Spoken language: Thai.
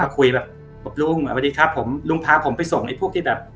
คุยแบบบอกลุงสวัสดีครับผมลุงพาผมไปส่งไอ้พวกที่แบบ